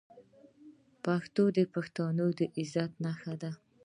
پښتو د پښتون د عزت نښه ده.